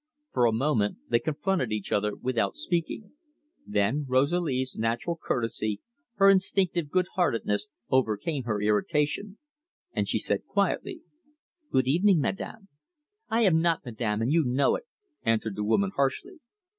For a moment they confronted each other without speaking, then Rosalie's natural courtesy, her instinctive good heartedness, overcame her irritation, and she said quietly: "Good evening, Madame." "I am not Madame, and you know it," answered the woman harshly.